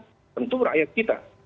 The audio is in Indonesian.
tentu rakyat kita